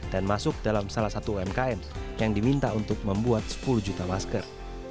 dan masuk dalam salah satu umkm yang diminta untuk membuat sepuluh juta masker